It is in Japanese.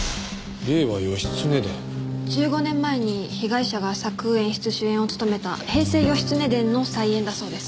１５年前に被害者が作演出主演を務めた『平成義経伝』の再演だそうです。